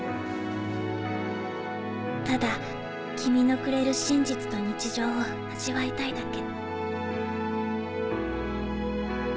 ただ君のくれる真実と日常を味わいたいだけ。